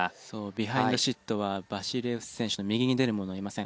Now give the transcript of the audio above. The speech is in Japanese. ビハインドシットはバシリエフス選手の右に出る者はいません。